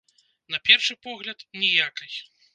На першы погляд, ніякай.